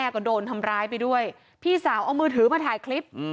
คุณสาวมือถือมาถ่ายคลิป